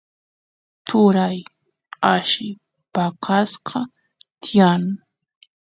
turay alli paqasqa tiyan